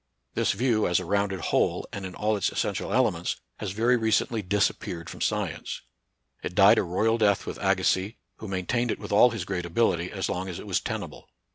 This view, as a rounded whole and in all its essential elements, has very recently disappeared from science. It died a royal death with Agassiz, who maintained it with all his great ability, as long as it was tena ble.